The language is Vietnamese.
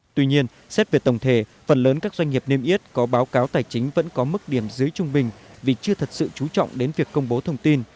tuy nhiên xét về tổng thể phần lớn các doanh nghiệp niêm yết có báo cáo tài chính vẫn có mức điểm dưới trung bình vì chưa thật sự chú trọng đến việc công bố thông tin